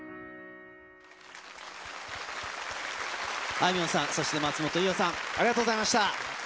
あいみょんさん、そして松本伊代さん、ありがとうございました。